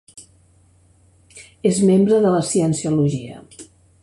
És membre de la Cienciologia.